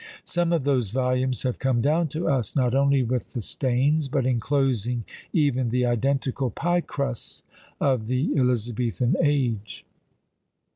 Some of those volumes have come down to us, not only with the stains, but inclosing even the identical piecrusts of the Elizabethan age.